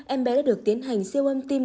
em bé đã được tiến hành siêu âm tim